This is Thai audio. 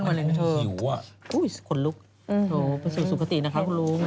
อุ้ยขนลุกโหเป็นสูตรสุขตีนะคะคุณลุง